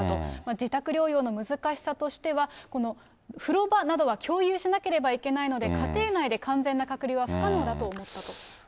自宅療養の難しさとしては、風呂場などは共有しなければいけないので、家庭内で完全な隔離は不可能だと思ったと。